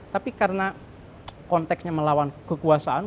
tapi karena konteksnya melawan kekuasaan